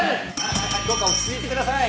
はいはいどうか落ち着いてください。